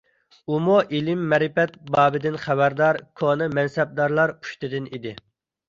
ئۇمۇ ئىلىم - مەرىپەت بابىدىن خەۋەردار كونا مەنسەپدارلار پۇشتىدىن ئىدى.